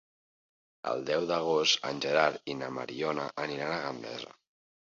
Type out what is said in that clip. El deu d'agost en Gerard i na Mariona aniran a Gandesa.